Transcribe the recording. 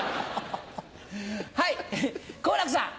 はい好楽さん。